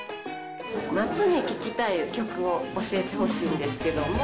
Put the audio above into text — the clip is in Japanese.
夏に聴きたい曲を教えてほしいんですけども。